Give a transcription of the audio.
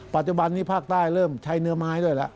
ปัจจุบันนี้ภาคใต้เริ่มใช้เนื้อไม้ด้วยแล้ว